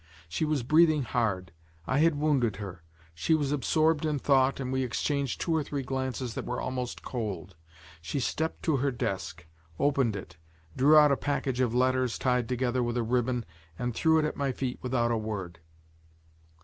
She was breathing hard; I had wounded her. She was absorbed in thought and we exchanged two or three glances that were almost cold. She stepped to her desk, opened it, drew out a package of letters tied together with a ribbon, and threw it at my feet without a word.